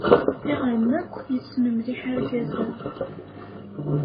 Iɣrem akk yessen mliḥ argaz-a.